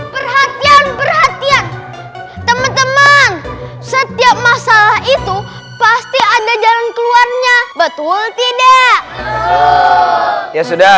perhatian perhatian teman teman setiap masalah itu pasti ada jalan keluarnya betul tidak ya sudah